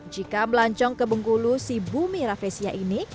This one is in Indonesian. jika melancong ke bengkulu si bumi raffesia ini